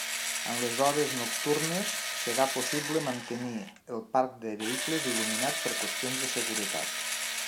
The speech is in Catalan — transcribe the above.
En les hores nocturnes serà possible mantenir el parc de vehicles il·luminat per qüestions de seguretat.